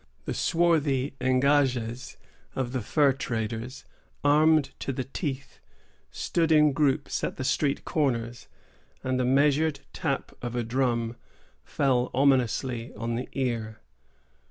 The swarthy engagés of the fur traders, armed to the teeth, stood in groups at the street corners, and the measured tap of a drum fell ominously on the ear.